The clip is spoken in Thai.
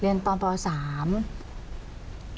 เรียนตั้งแต่ป๓